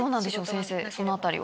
先生そのあたりは。